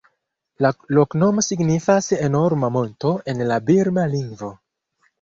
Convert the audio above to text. La loknomo signifas "enorma monto" en la birma lingvo.